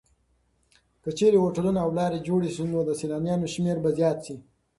که چېرې هوټلونه او لارې جوړې شي نو د سېلانیانو شمېر به زیات شي.